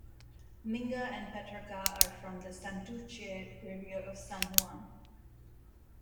Minga and Petraca are from the Santurce area of San Juan.